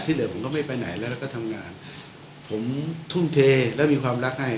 เหลือผมก็ไม่ไปไหนแล้วแล้วก็ทำงานผมทุ่มเทและมีความรักให้